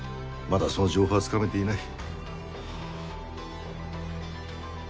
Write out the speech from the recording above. まだその情報はつかめていない。